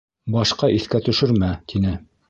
Башҡа иҫкә төшөрмә, тине.